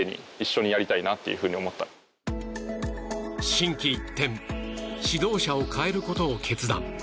心機一転指導者を変えることを決断。